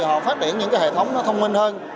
họ phát triển những cái hệ thống nó thông minh hơn